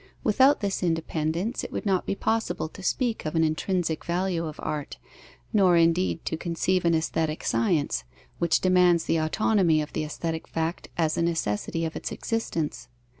Without this independence, it would not be possible to speak of an intrinsic value of art, nor indeed to conceive an aesthetic science, which demands the autonomy of the aesthetic fact as a necessity of its existence.